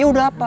ya udah apa